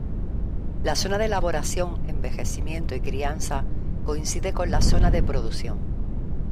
La zona de elaboración, envejecimiento y crianza coincide con la zona de producción.